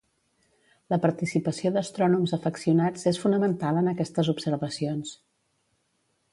La participació d’astrònoms afeccionats és fonamental en aquestes observacions.